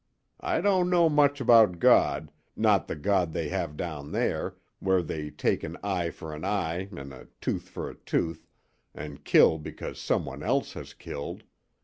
I don't know much about God not the God they have down there, where they take an eye for an eye an' a tooth for a tooth and kill because some one else has killed.